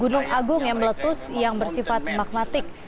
gunung agung yang meletus yang bersifat magmatik